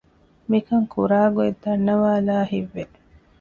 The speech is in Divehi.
މިކަން ކުރާގޮތް ދަންނަވައިލާ ހިތްވެ